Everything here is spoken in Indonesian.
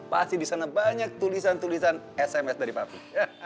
pasti di sana banyak tulisan tulisan sms dari papua